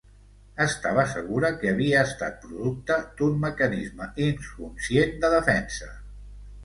Estava segura que havia estat producte d'un mecanisme inconscient de defensa.